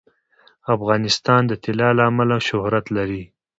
افغانستان د طلا له امله شهرت لري.